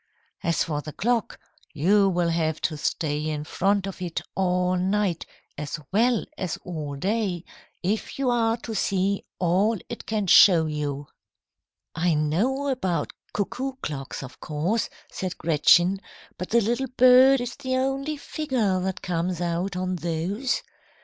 As for the clock, you will have to stay in front of it all night as well as all day, if you are to see all it can show you." "I know about cuckoo clocks, of course," said Gretchen, "but the little bird is the only figure that comes out on those.